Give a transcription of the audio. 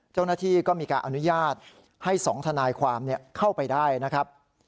เจ้าหน้าที่ก็มีการอนุญาตให้๒ทนายความเข้าไปได้นะครับ